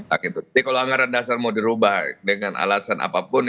jadi kalau anggaran dasar mau dirubah dengan alasan apapun